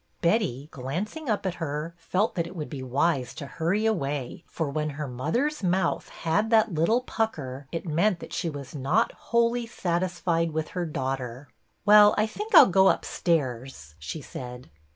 Betty, glancing up at her, felt that it would be wise to hurry away, for when her mother's mouth had that little pucker, it meant that she was not wholly satisfied with her daughter. ''Well, I think I'll go upstairs," she said.